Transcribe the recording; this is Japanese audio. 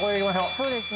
そうですね。